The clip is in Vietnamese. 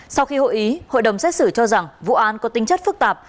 sau khi hội ý hội đồng xét xử cho rằng vụ án có tính chất phức tạp